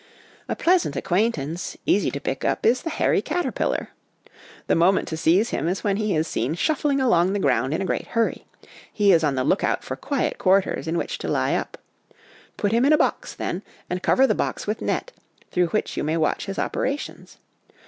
A pleasant acquaintance, easy to pick up, is the hairy caterpillar, The moment to seize him is when he is seen shuffling along the ground in a great hurry ; he is on the look out for quiet quarters in which to lie up : put him in a box, then, and cover the box with net, through which you may watch his operations.